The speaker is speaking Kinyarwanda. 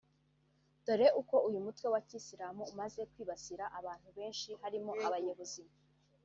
dore ko uyu mutwe wa kisiramu umaze kwibasira abantu benshi harimo abayobozi